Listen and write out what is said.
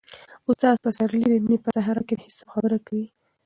استاد پسرلی د مینې په صحرا کې د حساب خبره کوي.